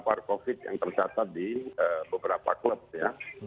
papar covid yang tercatat di beberapa klub ya